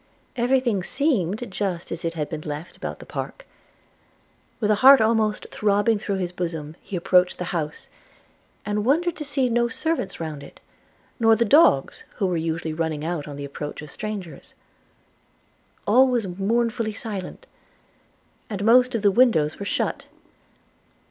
Every thing seemed just as it had been left about the park. With a heart almost throbbing through his bosom, he approached the house, and wondered to see no servants round it; nor the dogs, who were usually running out on the approach of strangers. All was mournfully silent; and most of the windows were shut.